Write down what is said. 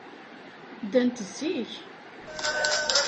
Ddant zik.